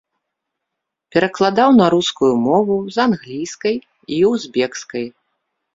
Перакладаў на рускую мову з англійскай і узбекскай.